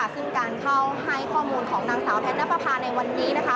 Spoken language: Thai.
ซึ่งการเข้าให้ข้อมูลของนางสาวแพทย์นับประพาในวันนี้